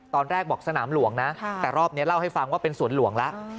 ตอนแรกบอกสนามหลวงนะแต่รอบนี้เล่าให้ฟังว่าเป็นสวนหลวงแล้ว